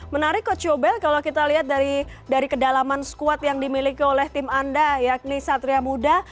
menarik coach yobel kalau kita lihat dari kedalaman squad yang dimiliki oleh tim anda yakni satria muda